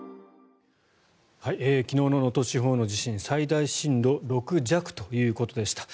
昨日の能登地方の地震最大震度６弱ということでした。